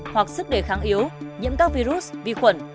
hoặc sức đề kháng yếu nhiễm các virus vi khuẩn